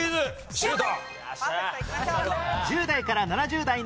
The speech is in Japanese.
シュート！